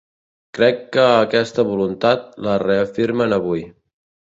Crec que aquesta voluntat la reafirmen avui.